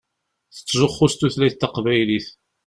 Tettzuxxu s tutlayt taqbaylit.